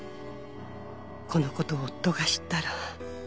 「このことを夫が知ったら」